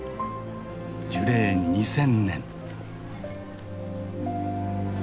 樹齢２，０００年。